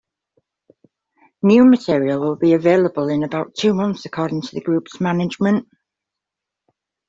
New material will be available in about two months according to the group's management.